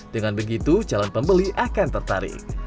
dengan begitu calon pembeli akan tertarik